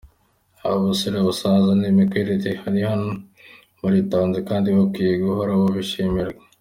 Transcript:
Aba basore, abasaza n’ibikwerere bari hano baritanze kandi bakwiye guhora babishimirwa.